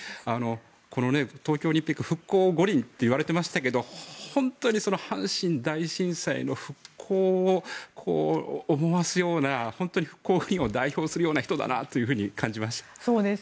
この東京オリンピックは復興五輪と言われていましたけど本当に阪神大震災の復興を思わすような復興五輪を代表するような人だなと感じます。